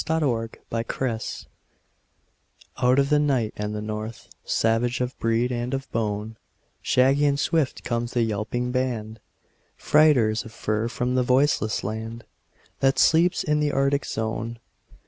THE TRAIN DOGS Out of the night and the north; Savage of breed and of bone, Shaggy and swift comes the yelping band, Freighters of fur from the voiceless land That sleeps in the Arctic zone.